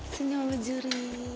senyum sama juri